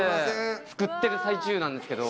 作ってる最中なんですけど。